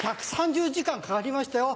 １３０時間かかりましたよ。